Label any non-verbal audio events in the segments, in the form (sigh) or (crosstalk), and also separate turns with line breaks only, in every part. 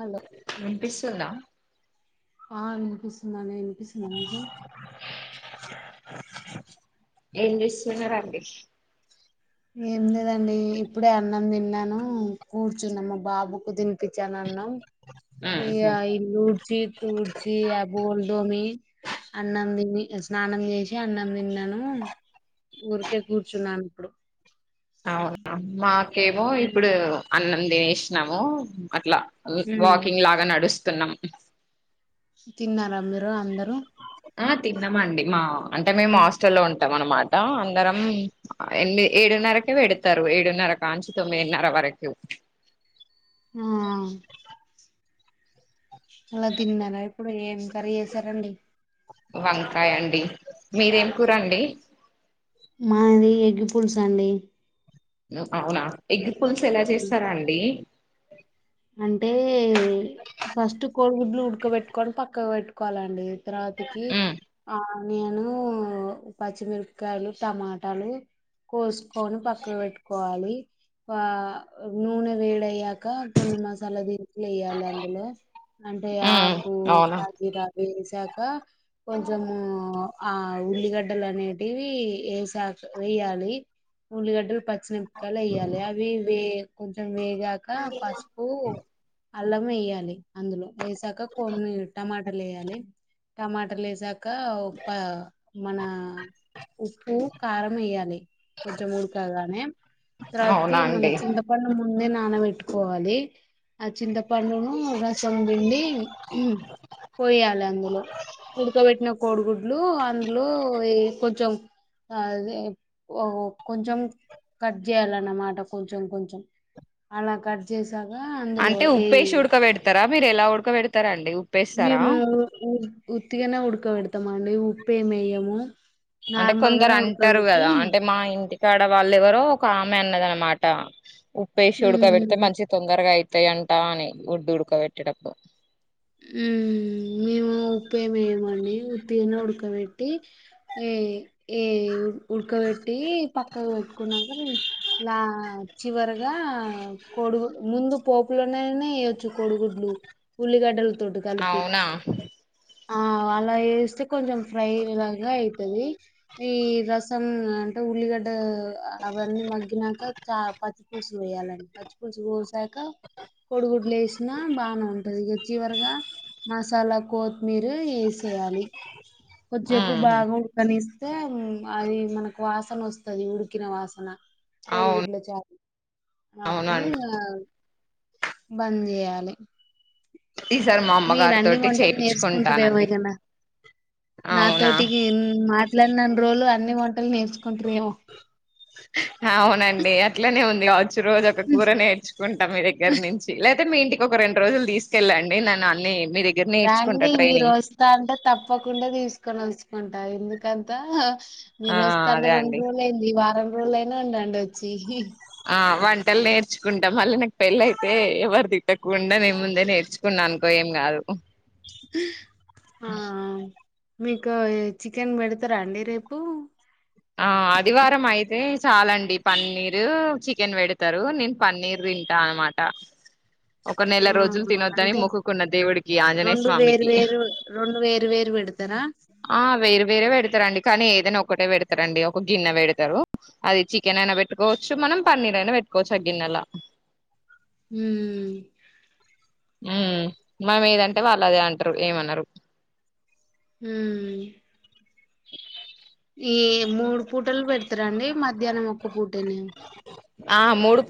Hello
వినిపిస్తుంద
ఆ వినిపిస్తుందనె నీక్ వినిపిస్తోంది
ఏం చేస్తున్నారండి
ఏం లేదండి ఇప్పుడే అన్నం తిన్నాను. కూర్చున్న మా బాబుకు తినిపించాలి అన్నం. ఇగ
ఉహు
ఇప్పుడు ఊడ్చి తూర్చి ఆప్ బోలుదోమి అన్నం తిని స్నానం చేసి అన్నం తిన్నాను ఊరికే కూర్చున్నాను ఇప్పుడు.
అవున మక్ కేమో ఇప్పుడు అన్నం లేశ్నము అట్లా వాకింగ్ లాగా నడుస్తున్నా అన్నం
తిన్నారా మీరు అందరూ.
ఆ తిన్నామండి మా అంటే మేము హాస్టల్ లో ఉంటాం అన్నమాట అందరం ఏనమీది ఏడున్నరకే పెడతారు ఏడున్నర కాంచి తొమ్మిదిన్నరవరకు.
ఆ అలా తిన్నారా ఇప్పుడు ఏం కర్రీ చేసారండి
వంకాయండి మీరేం కూరండి.
మాది ఎగ్ పులుసు అండి.
అవునా ఎగ్ పుల్స్ ఎలా చేస్తారండి.
అంటే టే ఫస్ట్ కోడిగుడ్లు ఉడ్కబెట్టుకొని పక్క పక్క పెట్టుకోవాలండి తర్వాతికి
ఉ
ఆ నేను పచ్చిమిరపకాయలు టమాటాలు అండి కోసుకొని పక్కకు పెట్టుకోవాలి వా నూనె వేడయ్యాక మసాలా ది వెయ్యాలి అందులో అంటే
ఉ
ఆకు
అవునా
సాజీర వేశాక కొంచము ఆ ఉల్లిగడ్డలనేవి వేశాక వెయ్యాలి ఉల్లిగడ్డలు పచ్చిమిరపకాయలు వేయాలి అవి కొంచెం వేగాక పసుపు అల్లం ఎయ్యాలి అందులో వెయ్యాలి ఏసాక కొన్ని టమాటాలు వెయ్యాలి టమాటాలు వేశాక ప మన ఉప్పు కారం వేయాలి కొంచెం ఉడకగానే తర్వాతికి
అవునా
మన
అండి
చింతపండు ముందే నానబెట్టుకో పోవాలి ఆ చింతపండును రసం బిండి పోయాలి అందులో ఉడకబెట్టిన కోడిగుడ్లు అందులో ఎ కొంచెం అదే కొంచెం కట్ చేయాలన్నమాట కొంచెం కొంచెం మన కట్ చేసాక
అంటే ఉప్పేసి ఉడకబెడతారా మీరు ఎలా ఉడకబెడతారా అండి
మేము ఉత్తిగానే ఉడుక వెడకబెడతామాండి ఉప్పే మేయ్యము
అని కొందరు అంటారు కదా అంటే మా ఇంటి తడ వాళ్లెవరో ఒక ఆమె అన్నద అనమాట ఉప్పేసి ఉడుగా బెడితే
మ్మ్.
మంచి తొందరగా అయి వతాయంట అని ఒడ్డు ఉడుకబెట్టేటప్పుడు
ఉ మేము ఉప్పేమేయమండి ఉత్తిగాని ఉడకబ పెట్టి ఏ ఏ ఉడకబెట్టి పక్కకి పెట్టుకున్నాక ఇ చివర ఇ కొడుగు ముందు పోపులోనేన వేయ్యొచ్చు కోడుగుడ్లు ఉల్లి కండల తొడ్డు కలిపి
అవునా
ఆ అలా వేస్తే కొంచెం ఫ్రై లాగా ఐతుంది ఈ రసం అంటే ఉల్లిగడ్డ అవన్నీ మగ్గినాక చ పచ్చి పులుసు వయాలండి పచ్చి పులుసు పోసాక కొడుగుడ్లు వేసినా బాగానే ఉంటది చివరగా మసాలా కొత్ మీరు వేసేయాలి కొద్దిజేపు
ఉహు
బాగా ఉడకనీ అే అది మనకు వాసన వస్తది ఉడికిన వాసన
అవును
కోడిగుడ్ల చాల అప్పుడూ
అవునండి
బంద్ జేయాలి
ఈసారి మా
మీరు
అమ్మగారి
అన్ని
తోటి
వంటలు
చేపించుకుంటానండి
నేర్చకుంటారుఎమైగనా
అవునా
నాతోటికి మాట్లాడినన్ని రోజలు అన్ని వంట నేర్చుకుంటారేమో
అవునండి అట్లనే ఉంది కావచ్చు రోజు ఒక కూర నేర్చుకుంటా మీ దగ్గర నుంచి లేదా మీ ఇంటికి ఒక రెండు రోజులు తీసుకెళ్ళండి నన్నను అన్ని మీ దగ్గర నేర్చుకుంటా
రాండి మీరు
ట్రైనింగ్
వస్తా అంటే తప్పకుండా తీసుకు కనస్కుంట ఎందుకంత
ఆ
మీరు వస్త అంటే
అదే
రెండు
అండి
రోజులు అయింది ఈ వారం లనా ఉండాండి వచ్చి
ఆ వంటలు నేర్చుకుంటాం మళ్ళీ నాకు పెళ్ళయితే ఎవరిది తకుండామ్ నీ ముందే నేర్చుకున్నాను ఇ ఏం గాదు
ఆ మీక చికెన్ పెడతారా అండి రేపు
ఆ ఆదివారం అయితే చాలండి పన్నీరు చికెన్ వెడతారు నేను పన్నీర్ తింటా అనమాట ఒక నెల రోజులు
ఆహా
తినొద్దని
అంటే
మొక్కుకున్న దేవుడికి ఆంజనేయ
రెండు వేరు
స్వామికి
వేరు రెండు వేరు వేరు వెడతారా
ఆ వేరు వేరే వెడతారంండి కానీ ఏదైనా ఒకటే వెడతారంండి ఒక గిన్నె వెడతారు అది చికెన్ అయినా పెట్టుకోవచ్చు మనం పన్నీర్ అయినా పెట్టుకోవచ్చు ఆ గిన్నెలా
హూ
ఉ మనం ఏదంటే వాళ్ళు అదే అంటారు ఏమన్నారు
అ ఈ మూడు పూటలు పెడతారంండి మధ్యాహ్నం ఒక్క పూటనే
ఆ మూడుూ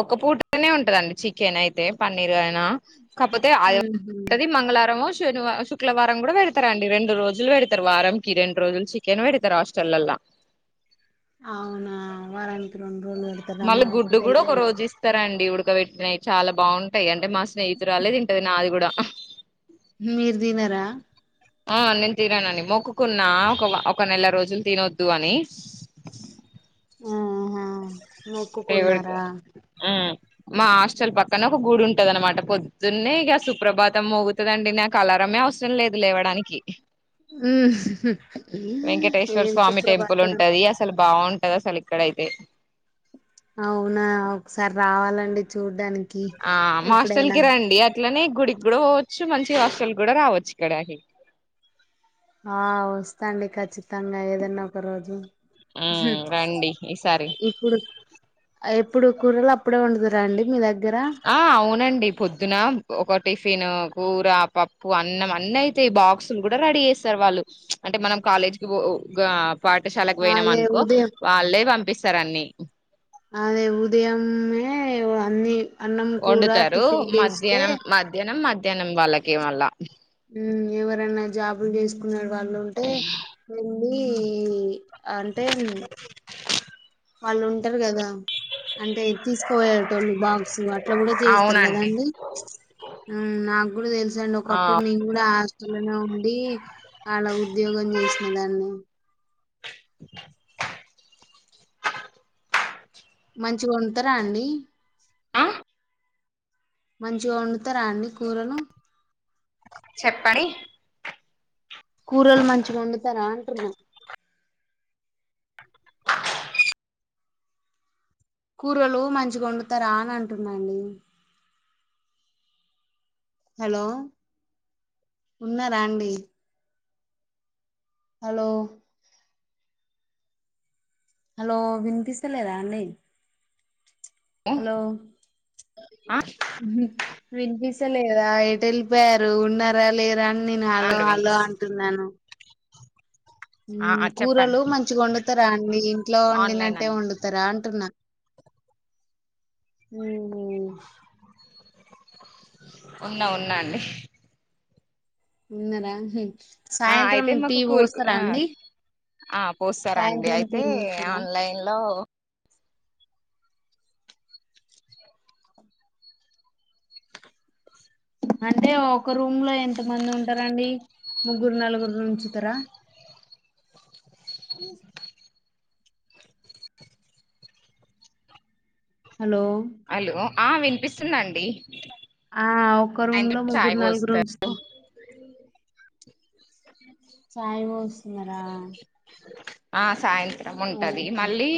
ఒక పూటనే ఉంటదండి చికెన్ అయితే పన్నీర్ అయినా కాకపోతే ఆది
ఉహు
ఉంటది మంగళారం శనివ శుక్లావారం కూడా పెడతారండి రెండు రోజులు పెడతారు వారంకి రెండు రోజులు చికెన్ పెడతారు ఇద్ద రా హస్టలల్లా
అవునా వారానికి రెండు రోజులు పెడతారా
మళ్ళీ
మాకు
గుడ్డు కూడా ఒక
తెలియదు
రోజు ఇస్తారంండి ఇవిడు పెట్టినాయి చాలా బాగు అంటే మా స్నేహితురాలే తింటది నాది కూడా ఆ
మీరు తినరా
ఆ నేను తిననండీ మొక్కుకున్నా ఒక ఒక నెల రోజులు తినొద్దు అని
ఆహా
తెడు
మొక్కుకున్నారా
ఊ మా హాస్టల్ పక్కనే ఒక గుడి ఉంటద అనమాట పొద్దున్నే ఇక సుప్రభాతం మోగుతుందండి నాకు అలరమే అవసరం లేదు లేవడానికి
ఊ
వెంకటేశ్వర స్వామి టెంపుల్ ఉంటది అసలు బాగుంటది అసలు ఇక్కడయితే
అవునా ఒకసారి రావాలండి చూడ్డానికి
ఆ మా హస్టల్
ఎప్పుడైనా
కి రండి అట్లనే గుడికి కూడా పోవచ్చు మంచి హస్టల్ కూడా రావచ్చు ఇక్కడ
ఆ వస్తాండి ఖచ్చితంగా ఏదన్నా ఒక రోజు
ఊ
హ్మ్.
రండి ఈసారి
ఇప్పుడు ఎప్పుడు కూరలు అప్పుడే ఉండదు రండి మీ దగ్గర
ఆ అవునండి పొద్దున ఒక టిఫిన్ కూర పప్పు అన్నం అన్నీ అయితాయ్ బాక్సులు కూడా రెడీ చేస్తారు వాళ్ళు అంటే మనం కాలేజీకి పాఠశాలకు పోేనాం
అదే
అనుకో
ఉదయం
వాళ్ళే పంపిస్తారు అన్ని
అదే ఉదయమే అన్నిీ
వండుతారు మధ్యాహ్నం మధ్యాహ్నం మధ్యాహ్నం వాళ్ళకి గే అల్ల
ఎవరన్నా జాబులు చేసుకున్నా వాళ్ ఉంటే మీ అంటే వాళ్ళు ఉంటారు కదా అంటే తీసుకుపోయారుట వాళ్ళు బాగసు అట్లా కూడా చేస్తారు
అవునండి
కదండి నాకు కూడా తెలుసా అండి
ఆ
ఒకప్పుడు నేను కూడా హాస్టల్లోనే ఉండి అలా ఉద్యోగం చేసినదాన్ని మంచిగుంట రండి మంచి గొండుత రండి కూరలు
చెప్పరి
కూరలు మంచిగా వండుతారా అంటున్న కూరలు మంచిగా వండుతారా అని అంటున్నానండి అంటున్నండి హలో ఉన్నారా అండి హలో హలో వినిపిస్తలేదా అండి హలో
ఆ
వినిపిస్త లేదా ఎటెల్లి వేరు ఉన్నారా లేద అని నేను హలో
అండి
హలో
వెంకస్
అంటున్నాను
ఆ ఆ
కూరలు
చెప్పండి
మంచిగా వండుతారా అండి ఇంట్లో
ఆన్లైన్
వండినట్టే
అండి
వండుతారా అంటున్నా ఉహు..
ఉన్నా ఉన్నా అండి
ఉన్నార హుమ్
ఆ అయితే మాకు అ ఆ పోస్తారండి
సాయంత్రం టీ
అయితే
పోస్తారా
ఆన్లైన్ లో
అంటే ఒక రూమ్ లో ఎంత మంది ఉంటారండి ముగ్గురు నలుగురు నీ ఉంచుతారా. హలో
హలో ఆ వినిపిస్తుందండి
ఆ అక్క రూమ్ లో
సాయంత్రం చాయ్
ముగ్గురు నలుగురు
పోస్తారు
ఉంచుత ఛాయ్ పోస్తున్నారా
ఆ సాయి యంత్రం ఉంటది
ఓకే
మళ్ళీ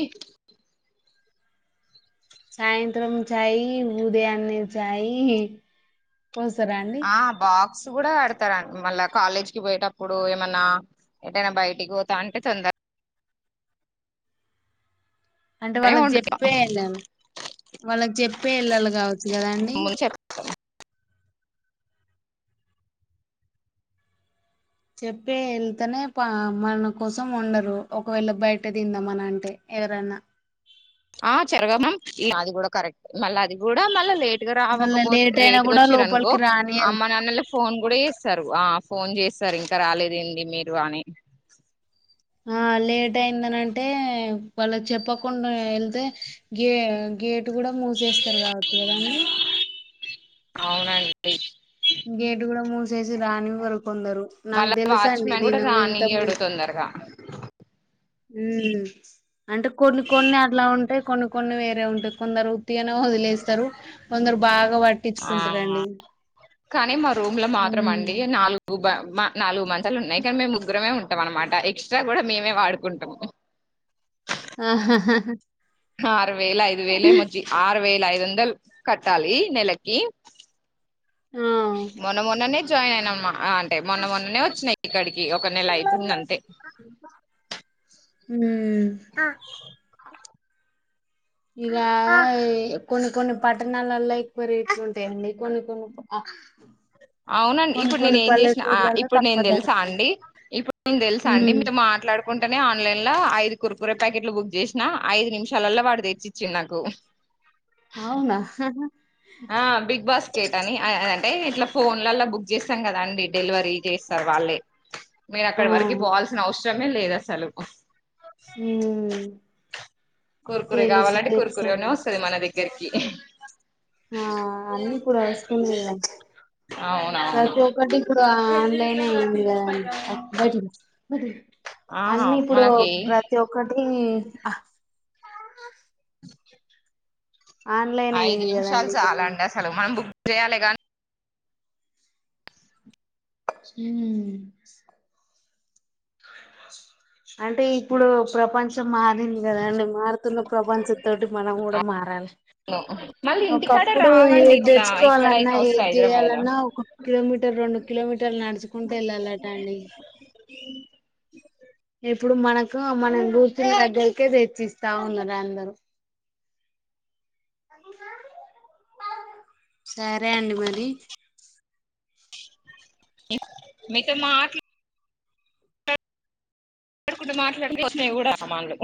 సాయంత్రం చాయి ఉదయాన్నే చాయి
ఆ బాక్స్ కూడా కడతారండి మల్ల కాలేజీకి పోయేటప్పుడు ఏమన్నా ఎటైన బయటికి పోతా అంటే తొంద
అంటే వాళ్ళకి
వండుతాం
చెప్పే వెళ్లాల్ వాళ్ళకి చెప్పే వెళ్ళాలి కావచ్చు కదా అండి
ముందు చెప్
చెప్పే ఏళ్తేనే ప మనకోసం వండరు ఒకవేళ బయట తిందామంటే ఎవరన్న
ఆ చెరగామమ్ అది కూడా కరెక్ట్ మళ్ళీ అది కూడా మళ్ళ లేట్ ఇగ
మళ్ళా
రాకపోతే
లేట్ అయినా
లేటుగా
కూడా
ఒచ్చిల్లునుకో
లోపలికి రానియరు
అమ్మ నాన్నలకు ఫోన్ కూడా చేస్తారు ఏ ఫోన్ చేస్తారు ఇంకా రాలేదేంది మీరు అని
ఆ లేట్ అయిందని అంటే వాళ్లకు చెప్పకుండా వెళ్తే వెళ్తే గే గేటు కూడా మూసేస్తారు కావచ్చు కదా అండి
అవునండి
గేట్ కూడా మూస్ తెలిసి రానివ్వరు కొందరు నాకు
మళ్ళా
తెలుసండి
వాచ్మెన్ కూడా
నేను ఇంత
రానియిడు తొందరగా
హ్మ్మ్ అంటే కొన్ని కొన్ని అట్లా ఉంటేయి కొన్ని కొన్ని వేరే ఉంటా కొందరుత్తిగ
ఆ
పట్టించుకుంటారండి
కానీ మా రూమ్ లో మాత్రం
ఉమ్
అండి నాలుగు నాలుగు మంచాలు ఉన్నాయి కానీ మేము ముగ్గురమే ఉంటాం అనమాట ఎక్స్ట్రా కూడా మేమే వాడుకుంటాము
ఆా
ఆరు వేల ఐదు వేలే మ ఆరు వేల ఐదు వందలు కట్టాలి నెలకి
ఆ
మొన్న మొన్ననే జాయిన్ అయినమ్మా ఆ అంటే మొన్న మొన్ననే వచ్చినా ఇక్కడికి ఒక నెల అయితుంది‌ అంతే
హ్మ్మ్ ఆ ఇగ కొన్ని కొన్ని పట్టణాలలో ఎక్కువ రేట్లు ఉంటాయండి కొన్ని కొన్ని
అవునండి
కొన్ని
ఇప్పుడు నేను
కొన్ని
ఏం చేసిన
పల్లెటూర్లలో
ఇప్పుడు నేను
తక్కువ
తెలుసా
ధరకు
అండి ఇప్పుడు నేను తెలుసా అండి
ఉమ్
మీతో మాట్లాడుకుంటేనే ఆన్లైన్ లో ఐదు కుర్ కురే ప్యాకెట్లు బుక్ చేసిన ఐదు నిమిషాలల్లో వాడు తెచ్చిచ్చిండు నాకు
అవునా
ఆ బిగ్ బాస్కేట్ అని అంటే ఇట్లా ఫోన్లలో బుక్ చేస్తాం కదండి డెలివరీ చేస్తారు వాళ్ళే మీరు
ఆ
అక్కడ వరకు పోవాల్సిన అవసర ఇష్టమే లేదు అసలు
హ్మ్మ్
కుర్ కురే కావాలంటే కూర్కురే నే వస్తది మన దగ్గరికి
ఆ అన్ని కూడా వస్తున్నా కద
అవునవును
ప్రతి ఒక్కటి ఇప్పుడు ఆన్లైన్ అయింది కదండి
ఆహా
అన్ని ఇప్పుడు
మనకి
ప్రతి ఒక్కటి ఆన్లైన్
ఐదు
అయింది
నిమిషాలు
కదండి
చాల అండి అసలు మనం బు చేయాలే గానీ
హ్మ్మ్ అంటే ఇప్పుడు ప్రపంచ మారింది కదండి మారుతున్న ప్రపంచ తోటి మనం కూడా మారాలి
మళ్ళీ ఇంటికాడ
ఒకప్పుడు
రావండి
ఏది
ఇట్లా ఇక్కడైతే
తెచ్చుకోవాలన్నా
వస్తాయి
ఏది
హైదరాబాద్ లో
చేయాలన్నా ఒక కిలోమీటర్ రెండు కిలోమీటర్లు నడుచుకుంటే వెళ్ళాలట అండి ఎప్పుడు మనకు మన కూర్చుని దగ్గరికే చిస్తా ఉన్నారు అందరు సరే అండి మరి
మీతో మాట్లా మాట్లాడు (unintelligible)